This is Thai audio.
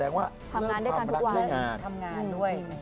ทำงานด้วยกันทุกวันทำงานด้วย